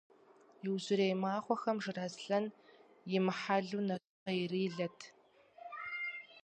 Иужьрей махуэхэм Жыраслъэн имыхьэлу нэщхъейрилэт.